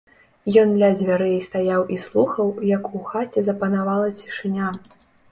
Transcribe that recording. Ён ля дзвярэй стаяў і слухаў, як у хаце запанавала цішыня.